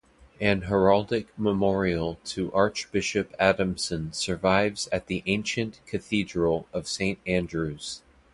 An heraldic memorial to Archbishop Adamson survives at the ancient cathedral of Saint Andrews.